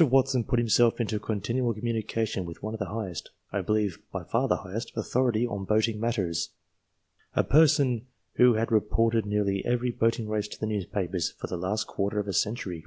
Watson put himself OARSMEN 297 into continual communication with one of the highest, I believe by far the highest, authority on boating matters, a person who had reported nearly every boating race to the newspapers for the last quarter of a century.